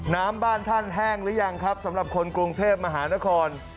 น้ำบ้านท่านแห้งหรือยังครับสำหรับคนกรุงเทพมหานคร